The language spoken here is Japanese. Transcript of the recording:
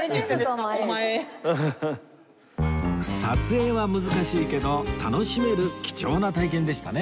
撮影は難しいけど楽しめる貴重な体験でしたね